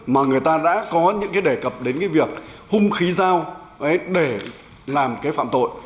mà người ta đã có những cái đề cập đến cái việc hung khí dao để làm cái phạm tội